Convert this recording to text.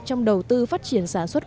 trong đầu tư phát triển sản xuất